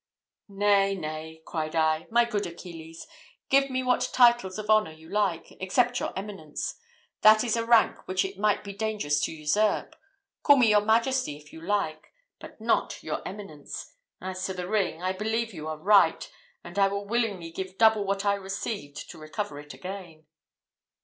"Nay, nay," cried I, "my good Achilles, give me what titles of honour you like, except your eminence; that is a rank which it might be dangerous to usurp. Call me your majesty, if you like, but not your eminence. As to the ring, I believe you are right, and I will willingly give double what I received to recover it again."